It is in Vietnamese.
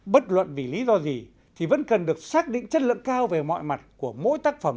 bất luận vì lý do gì thì vẫn cần được xác định chất lượng cao về mọi mặt của mỗi tác phẩm